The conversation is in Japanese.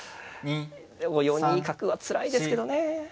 でも４二角はつらいですけどね。